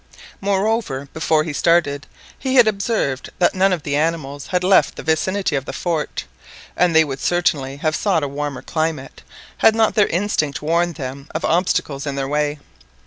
Moreover, before he started, he had observed that none of the animals had left the vicinity of the fort, and they would certainly have sought a warmer climate had not their instinct warned them of obstacles in their way.